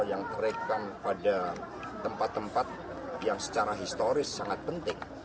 yang terekam pada tempat tempat yang secara historis sangat penting